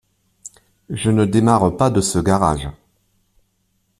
Je ne démarre pas de ce garage.